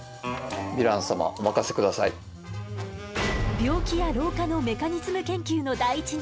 病気や老化のメカニズム研究の第一人者